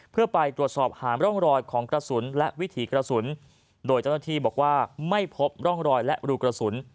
เพื่อไปตรวจสอบหาร่องรอยของกระสุนและวิถีกระสุนโดยเจ้าหน้าที่บอกว่าไม่พบร่องรอยและรูกระสุน